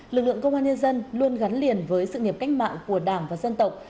lực lượng công an nhân dân luôn gắn liền với sự nghiệp cách mạng của đảng và dân tộc